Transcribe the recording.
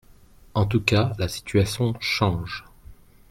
En tous cas, la situation change.